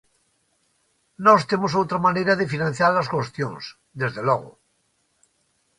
Nós temos outra maneira de financiar as cuestións, desde logo.